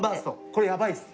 これやばいです。